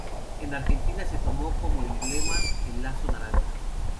En Argentina se tomó como emblema el Lazo Naranja.